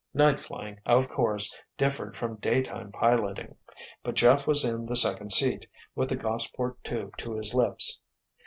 Night flying, of course, differed from daytime piloting. But Jeff was in the second seat, with the Gossport tube to his lips.